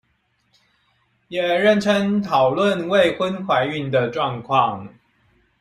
也認真討論未婚懷孕的狀況